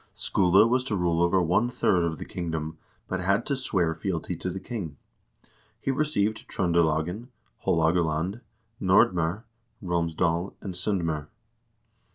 Skule was to rule over one third of the kingdom, but had to swear fealty to the king. He received Tr0ndelagen, Haalogaland, Nordm0r, Romsdal, and S0ndm0r.